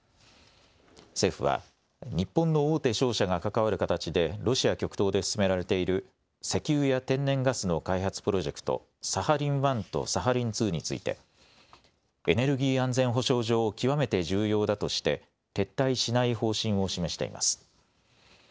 政府は日本の大手商社が関わる形でロシア極東で進められている石油や天然ガスの開発プロジェクト、サハリン１とサハリン２についてエネルギー安全保障上、極めて重要だとして撤退しない方針を示しています。